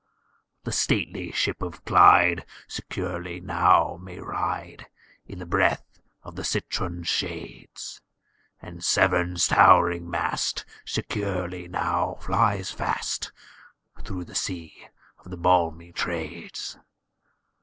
The stately ship of Clyde securely now may ride, In the breath of the citron shades; And Severn's towering mast securely now flies fast, Through the sea of the balmy Trades.